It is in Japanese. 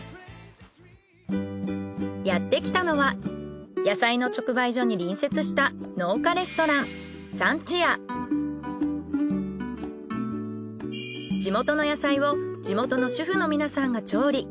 やってきたのは野菜の直売所に隣接した農家レストラン地元の野菜を地元の主婦の皆さんが調理。